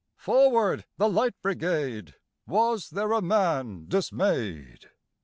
"Forward, the Light Brigade!"Was there a man dismay'd?